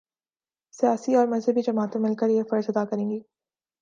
سیاسی و مذہبی جماعتیں مل کر یہ فرض ادا کریں گی۔